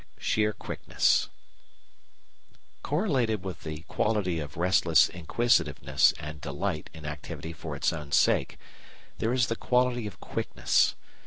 Sheer Quickness Correlated with the quality of restless inquisitiveness and delight in activity for its own sake there is the quality of quickness.